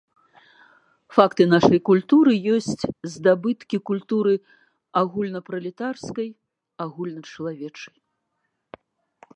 Факты нашай культуры ёсць здабыткі культуры агульнапралетарскай, агульначалавечай.